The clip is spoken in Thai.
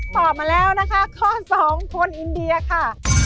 ตอบมาแล้วนะคะข้อ๒คนอินเดียค่ะ